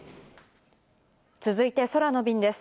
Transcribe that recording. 続いて空の便です。